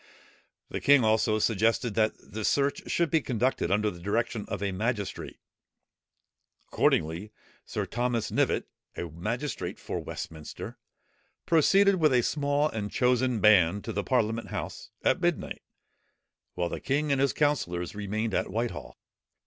The king also suggested that the search should be conducted under the direction of a magistrate. Accordingly, Sir Thomas Knivett, a magistrate for Westminster, proceeded with a small and chosen band, to the parliament house, at midnight; while the king and his councillors remained at Whitehall.